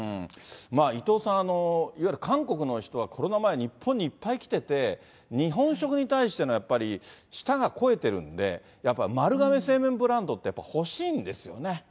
伊藤さん、いわゆる韓国の人はコロナ前、日本にいっぱい来てて、日本食に対してのやっぱり舌が肥えてるんで、やっぱ丸亀製麺ブランドってやっぱ欲しいんですよね。